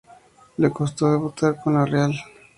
Le costó debutar con la Real.